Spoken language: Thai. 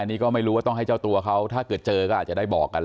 อันนี้ก็ไม่รู้ว่าต้องให้เจ้าตัวเขาถ้าเกิดเจอก็อาจจะได้บอกกัน